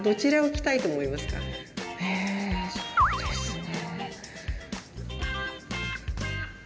そうですね。